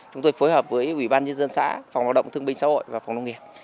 chúng tôi phối hợp với ủy ban nhân dân xã phòng lao động thương binh xã hội và phòng nông nghiệp